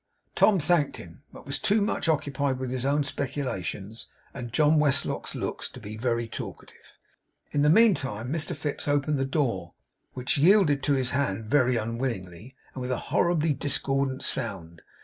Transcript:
Tom thanked him; but was too much occupied with his own speculations, and John Westlock's looks, to be very talkative. In the meantime Mr Fips opened the door, which yielded to his hand very unwillingly, and with a horribly discordant sound.